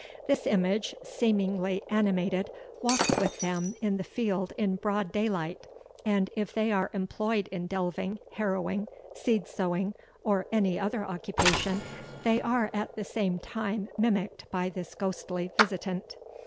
This image, seemingly animated, walks with them in the field in broad daylight; and if they are employed in delving, harrowing, seed sowing, or any other occupation, they are at the same time mimicked by this ghostly visitant.